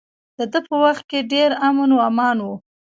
د ده په وخت کې ډیر امن و امان و.